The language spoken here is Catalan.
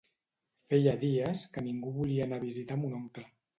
Feia dies que ningú volia anar a visitar mon oncle